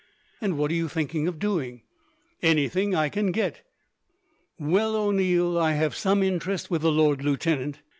"And what are you thinking of doing?" "Anything I can get." "Well, O'Neil, I have some interest with the lord lieutenant.